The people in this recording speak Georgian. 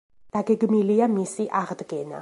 დაგეგმილია მისი აღდგენა.